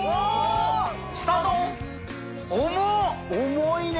重いね！